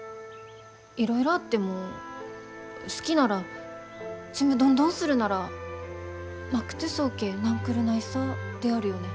いろいろあっても好きならちむどんどんするならまくとぅそーけーなんくるないさであるよね？